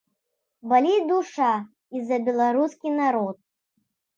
Баліць душа і за беларускі народ.